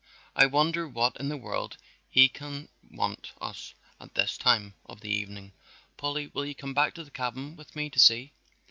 I wonder what in the world he can want with us at this time of the evening? Polly, will you come back to the cabin with me to see."